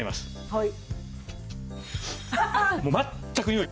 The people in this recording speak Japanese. はい。